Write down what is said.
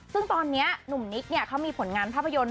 ซึ่งตอนนี้หนุ่มนิกเนี่ยเขามีผลงานภาพยนตร์